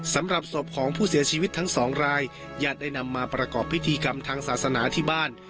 สำหรับศพของผู้เสียชีวิตทั้งสองรายญาติได้นำมาประกอบพิธีกรรมทางศาสนาที่บ้าน